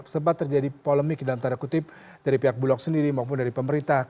sempat terjadi polemik dalam tanda kutip dari pihak bulog sendiri maupun dari pemerintah